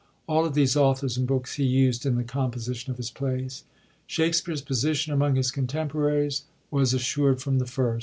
All of these authors and books he used in the composition of his plays. Shakspere's position among his contemporaries was assured from the first.